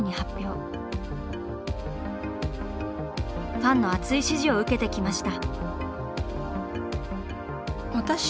ファンの熱い支持を受けてきました。